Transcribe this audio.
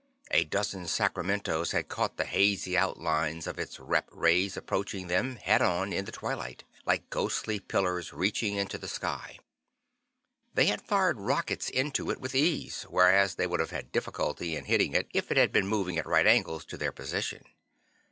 A dozen Sacramentos had caught the hazy outlines of its rep rays approaching them, head on, in the twilight, like ghostly pillars reaching into the sky. They had fired rockets into it with ease, whereas they would have had difficulty in hitting it if it had been moving at right angles to their position.